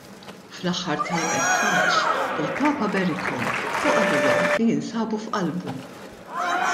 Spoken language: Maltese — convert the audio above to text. Fl-aħħar tal-messaġġ il-Papa berikhom u qalilhom li jinsabu f'qalbu.